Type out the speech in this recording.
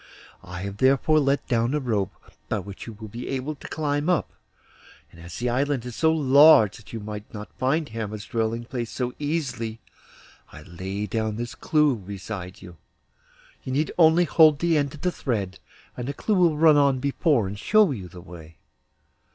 I have therefore let down a rope, by which you will be able to climb up; and as the island is so large that you might not find Hermod's dwelling place so easily, I lay down this clew beside you. You need only hold the end of the thread, and the clew will run on before and show you the way.